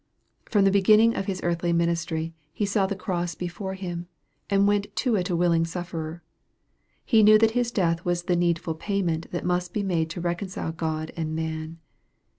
From the beginning of His earthly ministry He saw the cross before Him, and went to it a willing suiferer. He knew that His death was the needful payment that must be made to reconcile God and man.